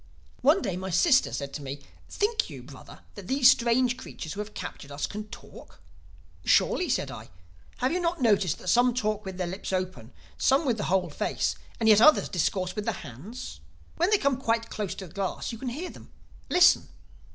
"One day my sister said to me, 'Think you, Brother, that these strange creatures who have captured us can talk?' "'Surely,' said I, 'have you not noticed that some talk with the lips only, some with the whole face, and yet others discourse with the hands? When they come quite close to the glass you can hear them. Listen!